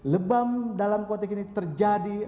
lebam dalam kotik ini terjadi